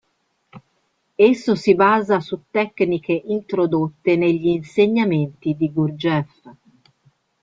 Esso si basa su tecniche introdotte negli insegnamenti di Gurdjieff.